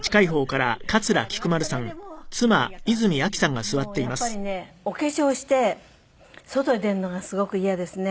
もうやっぱりねお化粧をして外に出るのがすごく嫌ですね。